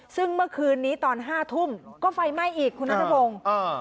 ซึ่งเมื่อคืนนี้ตอน๕ทุ่มก็ไฟไหม้อีกคุณนัทพงศ์